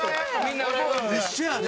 一緒やね。